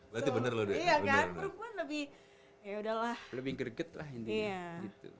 berarti bener loh dia bener bener iya kan perempuan lebih ya udahlah lebih greget lah intinya iya gitu